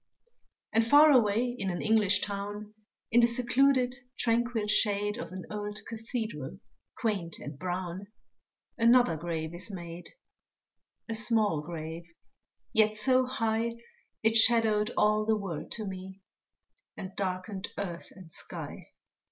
And far away in an English town, In the secluded, tranquil shade Of an old Cathedral quaint and brown, Another grave is made A small grave, yet so high It shadowed all the world to me, And darkened earth and sky.